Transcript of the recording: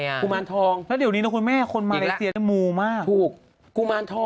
แล้วเดี๋ยวทีนี้คุณแม่คนมาเลเซียหลุดมาก